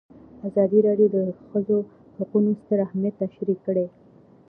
ازادي راډیو د د ښځو حقونه ستر اهميت تشریح کړی.